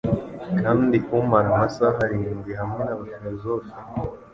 kandi umara amasaha arindwi hamwe nabafilozofe